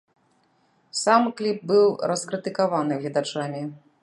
Сам кліп быў раскрытыкаваны гледачамі.